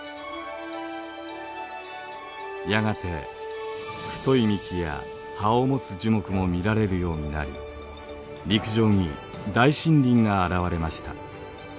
やがて太い幹や葉を持つ樹木も見られるようになり陸上に大森林が現れました。